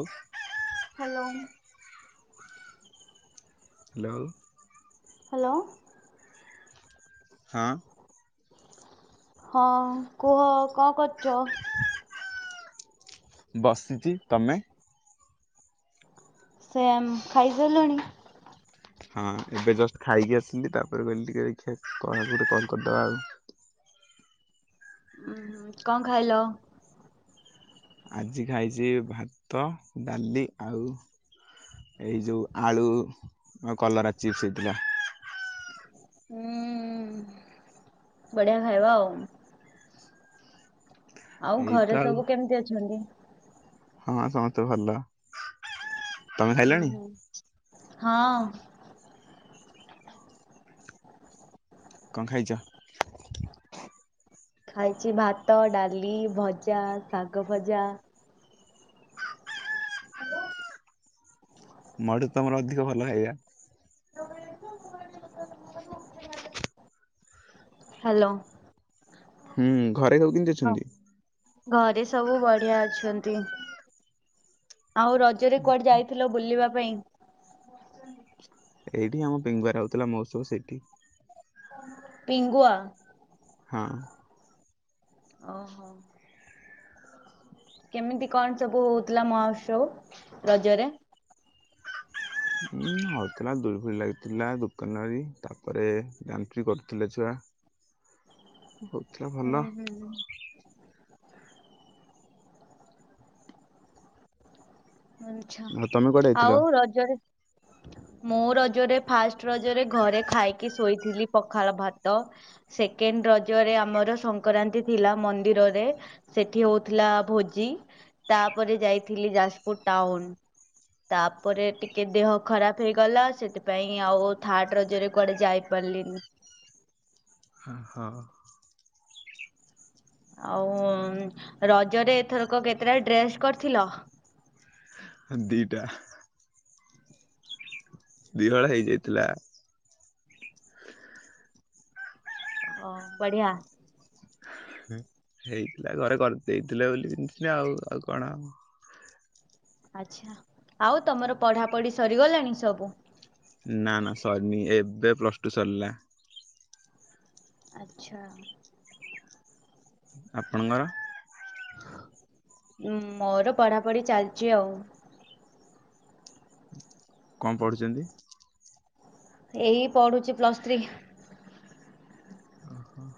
ଓ। Hello. Hello. Hello. ହଁ। ହଁ କୁହ କଣ କରୁଛ? [unintelligible] ବସିଛି ତମେ। ସେ ମେ ଖାଇସାରିଲୁଣି। ହଁ ଏବେ ଜଷ୍ଟ ଖାଇକି ଆସିଲି ତାପରେ କହିଲି ଟିକେ ଦେଖିବା କଢା କୁଢ଼ି କଲ କରିଦେବା ଆଉ। ଉୁଁ ହୁଁ କଣ ଖାଇଲ? ଆଜି ଖାଇଛି ଭାତ, ଡାଲି, ଆଉ। ଏଇ ଯୋଉ ଆଳୁ, କଲରା ଚିପ୍ସ ହେଇଥିଲା। ହୁଁ, ବଢିଆ ଖାଇବା ଆଉ। ଆଉ ଏଇତ ଘରେ ଆଉ ସବୁ କେମିତି ଅଛନ୍ତି? ହଁ ସମସ୍ତେ ଭଲ। ତମେ ହୁଁ, ଖାଇଲଣି ହୁଁ, ହଁ। କଁ ଖାଇଚ? ଖାଇଛି ଭାତ, ଡାଲି, ଭଜା, ଶାଗ ଭଜା ହ୍ୟାଲୋ। ମୋଠୁ ତମର ଅଧିକ ଭଲ ହାଇଆ। [inaudible] ହ୍ୟାଲୋ। ହୁଁ ହୁଁ, ଘରେ ସବୁ କେମିତି ହଁ ଅଛନ୍ତି? ଘରେ ସବୁ ବଢିଆ ଅଛନ୍ତି। ଆଉ ରଜରେ କୁଆଡେ ଯାଇଥିଲ ବୁଲିବା ପାଇଁ? ଏଇଠି ଆମ ପିଙ୍ଗୁଆରେ ହଉଥିଲା ମହୋତ୍ସବ ସେଇଠି। ପିଙ୍ଗୁଆ? ହଁ। ଓହୋ। କେମିତି କଣ ସବୁ ହଉଥିଲା ମହୋତ୍ସବ, ରଜରେ ହଉଥିଲା ଦୋଳି ଫୋଳି ଲାଗିଥିଲା, ଦୋକାନ ବାଡ଼ି ତାପରେ ଡ୍ୟାନସ ବି କରୁଥିଲେ ଛୁଆ। ହଉଥିଲା ହୁଁ ଭଲ। ହୁଁ। ଆଚ୍ଛା, ଆଉ ତମେ କୁଆଡେ ଯାଇଥିଲ? ଆଉ ରଜରେ ମୁଁ ରଜରେ ଫାଷ୍ଟ ରଜରେ ଘରେ ଖାଇକି ଶୋଇଥିଲି, ପଖାଳ ଭାତ ସେକେଣ୍ଡ ରଜରେ ଆମର ସଂଙ୍କରାନ୍ତି ଥିଲା ମନ୍ଦିରରେ ସେଠି ହଉଥିଲା ଭୋଜି, ତାପରେ ଯାଇଥିଲି ଯାଜପୁର ଟାଉନ। ତାପରେ ଟିକେ ଦେହ ଖରାପ ହେଇଗଲା, ସେଥିପାଇଁ ଆଉ ଥାର୍ଡ ରଜରେ କୁଆଡେ ଯାଇ ପାରିଲିନି। ହଁ। ଆଉ ରଜରେ ଏଥରକ କେତେଟା ଡ୍ରେସ କରିଥିଲ? ଦିଇଟା। ଦି ହଳ ହେଇଯାଇଥିଲା। ଅ ବଢିଆ। ହେଇଥିଲା ଘରେ କରିଦେଇଥିଲେ ବୋଲି ପିନ୍ଧୁଥିଲି ଆଉ, ଆଉ କଣ? ଆଚ୍ଛା, ଆଉ ତମର ପଢାପଢି ସରିଗଲାଣି ସବୁ? ନା ନା ସରିନି, ଏବେ ପ୍ଲସ ଟୁ ସରିଲା। ଆଚ୍ଛା। ଆପଣଙ୍କର? ଉଁ ମୋର ପଢାପଢି ଚାଲିଛି ଆଉ। କଣ ପଢ଼ୁଛନ୍ତି? ଏଇ ପଢୁଛି ପ୍ଲସ୍ ଥ୍ରୀ। ଅହ।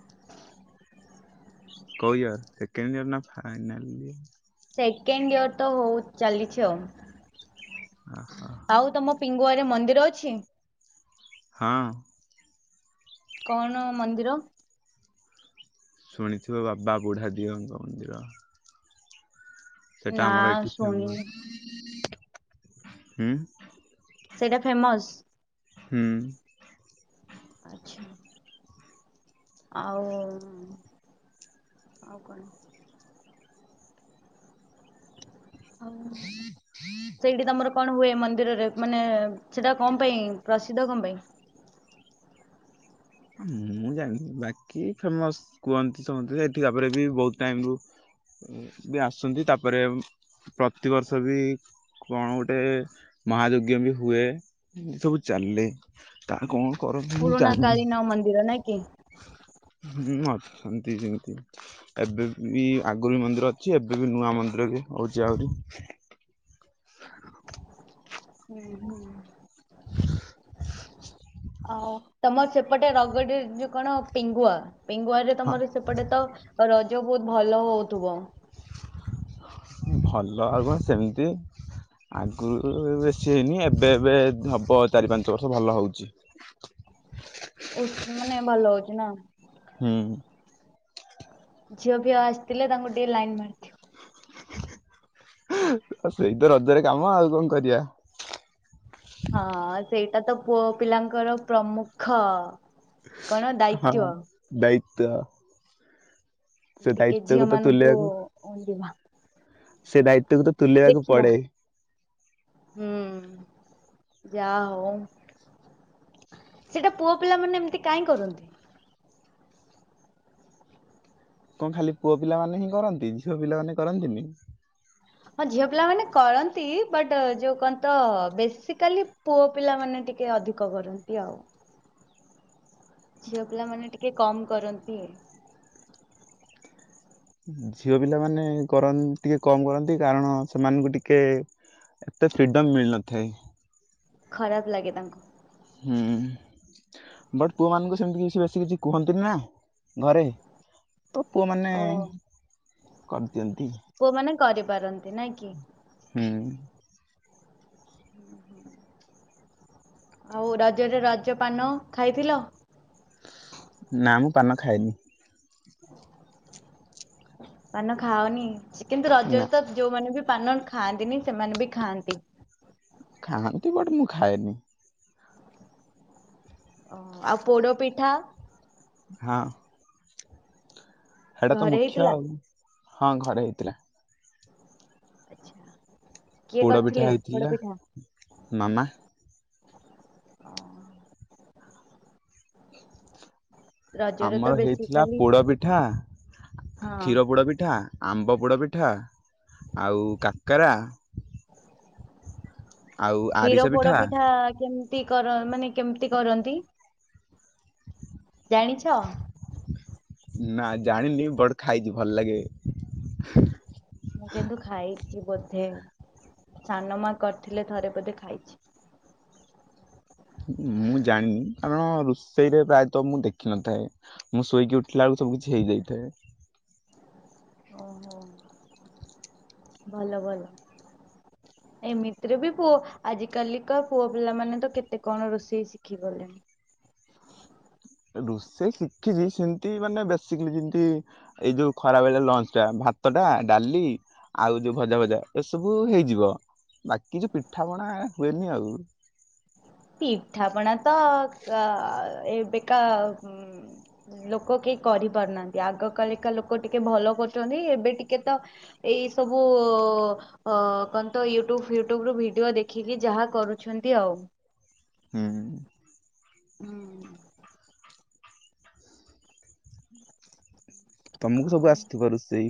କୋଉ ଇୟର, ସେକେଣ୍ଡ ଇୟର ନା ଫାଇନାଲ ଇୟର? ସେକେଣ୍ଡ ଇୟର ତ ହଉ ଚାଲିଛି ଆଉ, ଓହୋ। ଆଉ ତମ ପିଙ୍ଗୁଆରେ ମନ୍ଦିର ଅଛି? ହଁ। କଣ ମନ୍ଦିର? ଶୁଣିଥିବ ବାବା ବୁଢ଼ା ଝିଅଙ୍କ ମନ୍ଦିର। ସେଟା ନା ଆମର ଏଠି ଫେମସ୍ ଶୁଣିନି ଉଁ ସେଇଟା ଫେମସ୍ ହୁଁ। ଆଚ୍ଛା। ଆଉ ଆଉ କଣ ଆଉ ହୁଁ। [unintelligible] ସେଇଠି ତମର କଣ ହୁଏ ମନ୍ଦିରରେ ମାନେ ସେଟା କଣ ପାଇଁ ପ୍ରସିଦ୍ଧ କଣ ପାଇଁ? ମୁଁ ଜାଣିନି ବାକି ଫେମସ୍ କୁହନ୍ତି ସମସ୍ତେ ସେଠିକା ପରେ ବି ବହୁତ୍ ଟାଇମ୍ ରୁ ବି ଆସୁଛନ୍ତି ତାପରେ ପ୍ରତିବର୍ଷ ବି କଣ ଗୋଟେ ମହାଯଜ୍ଞ ବି ହୁଏ ଏସବୁ ଚାଲେ। ତାହା କଣ କରନ୍ତି ମୁଁ ପୁରୁଣା ଜାଣିନି। କାଳୀନ ମନ୍ଦିର ନାଇଁ କି ହୁ ମା ଶାନ୍ତି ସେମିତି। [inaudible] ଏବେ ବି ଆଗରୁ ବି ମନ୍ଦିର ଅଛି ଏବେ ବି ନୂଆ ମନ୍ଦିର ବି ହଉଛି ଆହୁରି। ହ। [inaudible] ହୁଁ ହୁଁ। [unintelligible] ଆଉ ତମର ସେପଟେ ରଗଡିରେ ଯୋଉ କଣ ପିଙ୍ଗୁଆ ପିଙ୍ଗୁଆରେ ହଁ ତମର ସେପଟେ ତ ରଜ ବହୁତ୍ ଭଲ ହଉଥିବ। ଭଲ ଆଉ କଣ ସେମିତି। ଆଗରୁ ବେଶୀ ହେଇନି ଏବେ ଏବେ ହବ ଚାରି ପାଞ୍ଚ ବର୍ଷ ଭଲ ହଉଛି। କୋଉ ମାନେ ଭଲ ହଉଛି ନା ହୁଁ। ଝିଅ ଫିଅ ଆସିଥିଲେ ତାଙ୍କୁ ଟିକେ ଲାଇନ୍ ମାରିଥିବ। [inaudible] ସେଇତ ରଜରେ କାମ ଆଉ କଣ କରିଆ ହଁ ସେଇଟା ତ ପୁଅ ପିଲାଙ୍କର ପ୍ରମୁଖ। କଣ ହଁ ଦାୟିତ୍ଵ ଦାୟିତ୍ଵ ସେ ଦାୟିତ୍ଵକୁ ତ ତୁଲେଇଆ କୁ ଓଡିିବା। [inaudible] ସେ ଦାୟିତ୍ୱକୁ ତ ତୁଲିବାକୁ ପଡେ। ହୁଁ ଯା ହଉ। ସେଇଟା ପୁଅ ପିଲାମାନେ ଏମିତି କାଇଁ କରନ୍ତି କଣ ଖାଲି ପୁଅ ପିଲା ମାନେ ହିଁ କରନ୍ତି ଝିଅ ପିଲାମାନେ କରନ୍ତିନି ହଁ ଝିଅ ପିଲା ମାନେ କରନ୍ତି ବଟ୍ ଯୋଉ କହନ୍ତି ତ ବେସିକାଲି ପୁଅ ପିଲା ମାନେ ଟି କେ ଅଧିକ କରନ୍ତି ଆଉ। ଝିଅ ପିଲାମାନେ ଟିକେ କମ୍ କରନ୍ତି। ଝିଅ ପିଲାମାନେ କରନ୍ତି ଟିକେ କମ୍ କରନ୍ତି କାରଣ ସେମାନଙ୍କୁ ଟିକେ ଏତେ ଫ୍ରିଡ଼ମ୍ ମିଳିନଥାଏ। ଖରାପ୍ ଲାଗେ ତାଙ୍କୁ। ହୁଁ ବଟ୍ ପୁଅମାନଙ୍କୁ ସେମିତି କିଛି ବେଶୀ କିଛି କୁହନ୍ତିନି ନା ଘରେ ତ ପୁଅ ମାନେ ଓ କରିଦିଅନ୍ତି। ପୁଅ ମାନେ କରି ପାରନ୍ତି ନାଇଁ କି ହୁଁ। ହୁଁ ହୁଁ। ଆଉ ରଜରେ ରଜ ପାନ ଖାଇଥିଲ। ନା ମୁଁ ପାନ ଖାଏନି। ପାନ ଖାଏନି କିନ୍ତୁ ନା ରଜରେ ତ ଯୋଉମାନେ ବି ପାନ ଖାଆନ୍ତିନି ସେମାନେ ବି ଖାଆନ୍ତି। ଖାଆନ୍ତି ବଟ୍ ମୁଁ ଖାଏନି। ଓ ଆଉ ପୋଡ ପିଠା। ହଁ। ସେଇଟା ତ ଘରେ ମୁଖ୍ୟ ହେଇଥିଲା ଆଉ ହଁ ଘରେ ହେଇଥିଲା। ଆଛା। ପୋଡ଼ ପିଠା ହେଇଥିଲା ମାମା। ଓ, ରଜରେ ତ ଆମର ହେଇଥିଲା ବେସିକାଲି ପୋଡ ପିଠା। ହଁ କ୍ଷୀର ପୋଡ଼ ପିଠା ଆମ୍ବ ପୋଡ଼ପିଠା ଆଉ କାକରା। ଆଉ କ୍ଷୀର ଆରିସା ପୋଡ ପିଠା କେମତି କର ମାନେ କେମିତି କରନ୍ତି ଜାଣିଛ। ନା ଜାଣିନି ବଟ୍ ଖାଇଛି ଭଲ ଲାଗେ। ମୁଁ କିନ୍ତୁ ଖାଇଛି ବୋଧେ ସାନ ମା କରିଥିଲେ ଥରେ ବୋଧେ ଖାଇଛି। ମୁଁ ଜାଣିନି କାରଣ ରୋଷେଇରେ ପ୍ରାୟତଃ ମୁଁ ଦେଖିନଥାଏ। ମୁଁ ଶୋଇକି ଉଠିଲା ବେଳୁ ସବୁ କିଛି ହେଇଯାଇଥାଏ। ଓହୋ ଭଲ ଭଲ। ଏମିତିରେ ବି ପୁଅ ଆଜିକାଲିକା ପୁଅ ପିଲାମାନେ ତ କେତେ କଣ ରୋଷେଇ ଶି କି ଗଲେଣି। ରୋଷେଇ ଶିଖିଛି ସେମିତି ମାନେ ବସିକିଲି ଯେମତି ଏଇ ଯୋଉ ଖରା ବେଳେ ଲଞ୍ଚ ଟା ଭାତ ଟା ଡାଲି ଆଉ ଯୋଉ ଭଜା ଭଜା ଏସବୁ ହେଇଯିବ ବାକି ଯୋଉ ପିଠା ପଣା ହୁଏନି ଆଉ। ପିଠାପଣା ତ ଏବେକା ଲୋକ କେହି କରିପାରୁ ନାହାନ୍ତି ଆଗ କାଳିକା ଲୋକ ଟିକେ ଭଲ କରୁଚନ୍ତି ଏବେ ଟିକେ ତ ଏଇ ସବୁ ଅ କଣ ତ ୟୁଟ୍ୟୁବ ଫିୟୁଟ୍ୟୁବ ରୁ ଭିଡିଓ ଦେଖିକି ଯାହା କରୁଛନ୍ତି ଆଉ। ହୁଁ। ହୁଁ। ତମକୁ ସବୁ ଆଉ ଆସିଥିବ ରୋଷେଇ।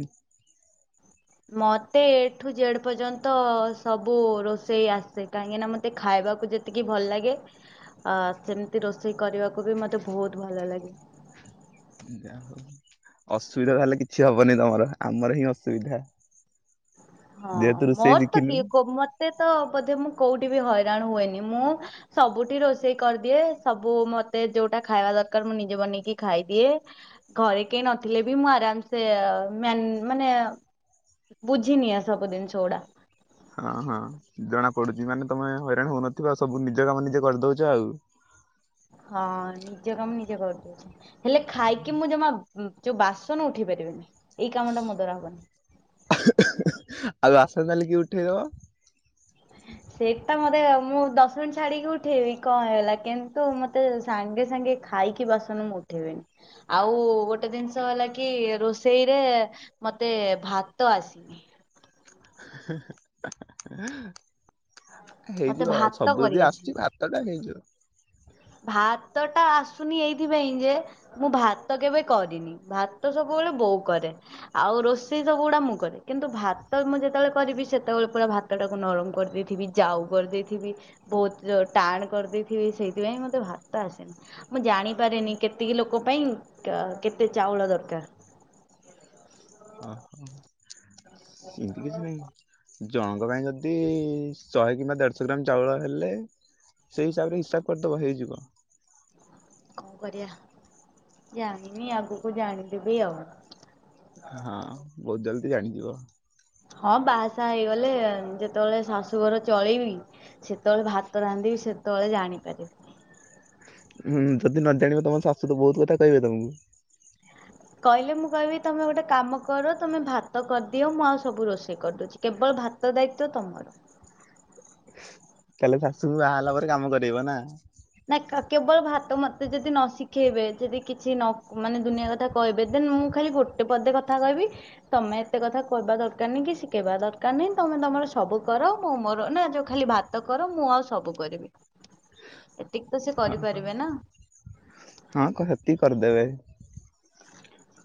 ମତେ ଏଠୁ ଜେଡ ପର୍ଯ୍ୟନ୍ତ ସବୁ ରୋଷେଇ ଆସେ କାହିଁକିନା ମତେ ଖାଇବାକୁ ଯେତେ ଏତିକି ଭଲ ଲାଗେ ଆ ସେମିତି ରୋଷେଇ କରିବାକୁ ବି ମତେ ବହୁତ୍ ଭଲ ଲାଗେ। ଯା ହଉ ଅସୁବିଧା ତାହେଲେ କିଛି ହବନି ତମର ଆମର ହିଁ ଅସୁବିଧା। ହଁ ଯେହେତୁ ରୋଷେଇ ମୋର ତ ଶିଖିନୁ କିଏ କୋ ମତେ ତ ବୋଧେ ମୁଁ କୋଉଠି ବି ହଇରାଣ ହୁଏନି ମୁଁ ସବୁଠି ରୋଷେଇ କରିଦିଏ ସବୁ ମତେ ଯୋଉଟା ଖାଇବା ଦରକାର ମୁଁ ନିଜେ ବନେଇକି ଖାଇଦିଏ। ଘରେ କେହି ନଥିଲେ ବି ମୁଁ ଆରାମସେ ମ୍ୟା ମାନେ ବୁଝିନିଏ ଆ ସବୁ ଜିନିଷ ଉଡା। ହଁ ହଁ ଜଣା ପଡୁଛି ମାନେ ତମେ ହଇରାଣ ହଉନଥିବ ସବୁ ନିଜ କାମ ନିଜେ କରିଦଉଛ ଆଉ। ହଁ ନିଜେ କାମ ନିଜେ କରିଦେଇଛି। ହେଲେ ଖାଇକି ମୁଁ ଜମା ଯୋଉ ବାସନ ଉଠେଇ ପାରିବିନି ଏଇ କାମ ଟା ମୋ ଦ୍ଵାରା ହବନି। ଆଉ ଆସନ କାଲି କିଏ ଉଠେଇବ। ସେଇଟା ମତେ ମୁଁ ଦଶ ମିନିଟ୍ ଛାଡିକି ଉଠେଇବି କଣ ହେଲା କିନ୍ତୁ ମତେ। ସାଙ୍ଗେ ସାଙ୍ଗେ ଖାଇକି ବାସନ ମୁଁ ଉଠେଇବିନି। ଆଉ ଗୋଟେ ଜିନିଷ ହେଲା କି ରୋଷେଇରେ। ମତେ ଭାତ ଆସିନି। ମତେ ହେଇଯିବ ଭାତ ସବୁ ଯଦି କରି ଆସୁଛି ଆସିନି। ଭାତ। ତଟା ହେଇଯିବ। ଭାତ ଟା ଆସୁନି ଏଇଥିପାଇଁ ଯେ। ମୁଁ ଭାତ କେବେ କରିନି ଭାତ ସବୁବେଳେ ବୋଉ କରେ। ଆଉ ରୋଷେଇ ସବୁ ଗୁଡା ମୁଁ କରେ କିନ୍ତୁ ଭାତ ମୁଁ ଯେତେବେଳେ କରିବି ସେତେବେଳେ ପୁରା ଭାତ। ଟାକୁ ନରମ କରିଦେଇଥିବି ଯାଉ କରିଦେଇଥିବି ବହୁତ୍ ଟାଣ କରିଦେଇଥିବି ସେଇ। ସେଥିପାଇଁ ମୋତେ ଭାତ ଆସେନି। ମୁଁ ଜାଣିପାରେନି କେତିକି ଲୋକ ପାଇଁ କେତେ ଚାଉଳ ଦରକାର। ଓହୋ ସେମିତି କିଛି ନାହିଁ। ଜଣଙ୍କ ପାଇଁ ଯଦି ଶହେ କିମ୍ବା ଦେଢଶହ ଗ୍ରାମ ଚାଉଳ ହେଲେ। ସେଇ ହିସାବରେ ହିସାବ କରିଦବ ହେଇଯିବ। କଣ କରିବା ଜାଣିନି ଆଗକୁ ଜାଣିଦେବି ଆଉ। ହଁ ବହୁତ୍ ଜଲ୍ଦି ଜାଣିଯିବ। ହଁ ବାହାସାହା ହେଇଗଲେ ଯେତେବେଳେ ଶାଶୁଘର ଚଳେଇବି। ସେତବେଳେ ଭାତ ରାନ୍ଧିବି ସେତବେଳେ ଜାଣିପାରିବି। ହୁଁ ଯଦି ନ ଜାଣିବ ତମ ଶାଶୁ ତ ବହୁତ କଥା କହିବେ ତମକୁ। କହିଲେ ମୁଁ କହିବି ତମେ ଗୋଟେ କାମ କର ତମେ ଭାତ କରିଦିଅ ମୁଁ ଆଉ ସବୁ ରୋଷେଇ କରିଦଉଛି। କେବଳ ଭାତ ଦାୟିତ୍ୱ ତମର। ତାହେଲେ ଶାଶୁଙ୍କୁ ବାହାହେଲା ପରେ କାମ କରେଇବ ନା। ନା କେବଳ ଭାତ ମତେ ଯଦି ନ ଶିଖେଇବେ ଯଦି କିଛି ନ ମାନେ ଦୁନିଆ କଥା। କହିବେ ଦେନ୍ ମୁଁ ଖାଲି ଗୋଟେ ପଦେ କଥା କହିବି। ତମେ ଏତେ କଥା କହିବା ଦରକାର ନାହିଁ କି ଶିଖେଇବା ଦରକାର ନାହିଁ ତମେ ତମର ସବୁ କର ମୁଁ ମୋର ନା ଯୋଉ ଖାଲି ଭାତ। -କର ମୁଁ ଆଉ ସବୁ କରିବି। ଏତିକି ତ ସେ ଓହୋ କରିପାରିବେ ନା ହଁ ହେତିକି କରିଦେବେ।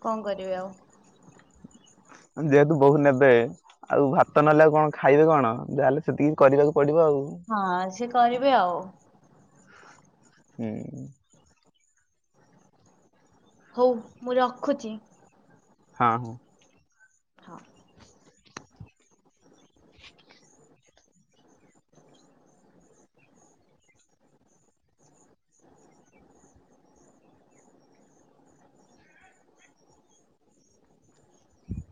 କଣ କରିବି ଆଉ। ଯେହେତୁ ବୋହୂ ନେବେ ଆଉ ଭାତ ନେଲେ ଆଉ କଣ। ଖାଇବେ କଣ ଯାହେଲେ ସେତିକି କରିବାକୁ ପଡ଼ିବ ଆଉ। ହଁ ସିଏ କରିବେ ଆଉ। ହୁଁ। ହୋଉ ମୁଁ ରଖୁଛି। ହଁ ହଁ। ହଁ। ହ [inaudible]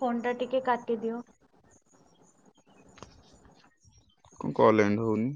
ଫୋନ୍ ଟା ଟିକେ କାଟିଦିଅ। କଣ କଲ୍ ଏଣ୍ଡ୍ ହୋଉନି।